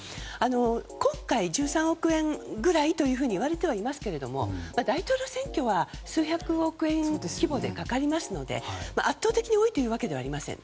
今回１３億円ぐらいというふうにいわれていますが大統領選挙は数百億円規模でかかりますので圧倒的に多いわけじゃありません。